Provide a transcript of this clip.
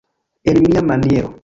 En mia maniero.